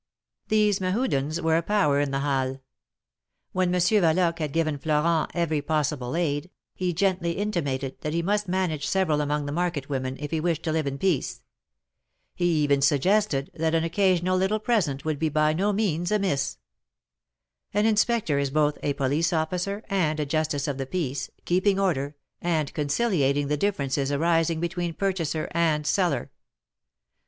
^' These Mehudens were a power in the Halles. When Monsieur Yaloque had given Florent every possible aid, lie gently intimated that he must manage several among the market women, if he wished to live in peace. He even suggested that an occasional little present would be by no means amiss. An Inspector is both a police officer, and a J ustice of the peace, keeping order, and conciliating the differences arising between purchaser and seller.